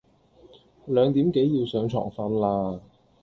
兩點幾要上床瞓啦